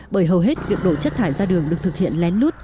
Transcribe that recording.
bởi hầu hết việc đổ chất thải ra đường được thực hiện lén lút